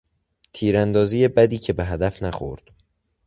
تیراندازی بدی که به هدف نخورد